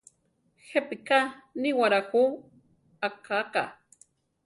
¿Jepíka níwara jú akáka?